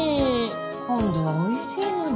今度はおいしいのに。